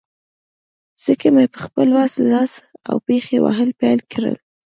ځکه مې په خپل وس، لاس او پښې وهل پیل کړل.